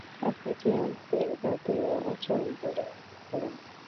আপনি কি আমাদের এতই অচল বলে মনে করেন?